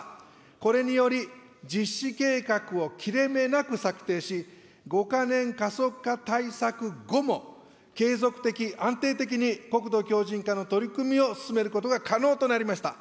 これにより、実施計画を切れ目なく策定し、５か年加速化対策後も、継続的、安定的に国土強じん化の取り組みを進めることが可能となりました。